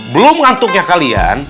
belum ngantuknya kalian